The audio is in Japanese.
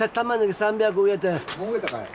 もう植えたかい？